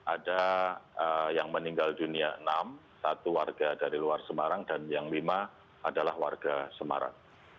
ada yang meninggal dunia enam satu warga dari luar semarang dan yang lima adalah warga semarang